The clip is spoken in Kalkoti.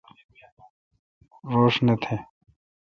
روݭ تہ نہ۔